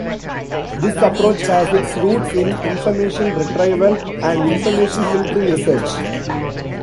This approach has its roots in information retrieval and information filtering research.